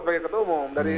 sebagai ketua umum